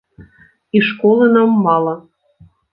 І школы нам мала.